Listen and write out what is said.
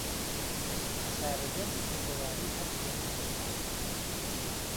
چارە دەردی کوردەواری هەر خوێندنە